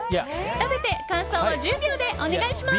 食べて感想を１０秒でお願いします。